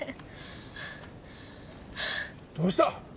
どうした？